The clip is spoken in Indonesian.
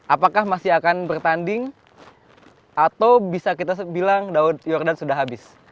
apakah masih akan bertanding atau bisa kita bilang daud yordan sudah habis